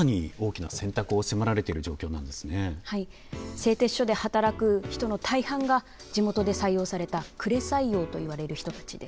製鉄所で働く人の大半が地元で採用された呉採用といわれる人たちです。